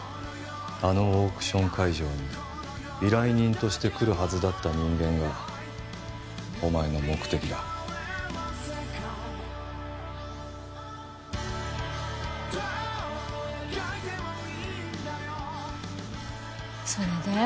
あのオークション会場に依頼人として来るはずだった人間がお前の目的だそれで？